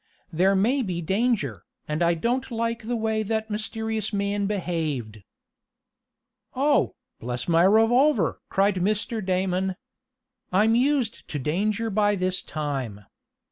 "There may be danger, and I don't like the way that mysterious man behaved." "Oh, bless my revolver!" cried Mr. Damon. "I'm used to danger by this time.